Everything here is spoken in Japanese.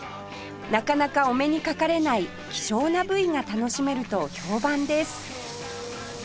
なかなかお目にかかれない希少な部位が楽しめると評判です